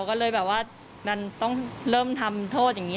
ก็เลยแบบว่าดันต้องเริ่มทำโทษอย่างนี้